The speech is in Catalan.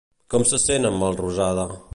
Com se sent en Melrosada?